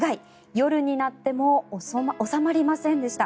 夜になっても収まりませんでした。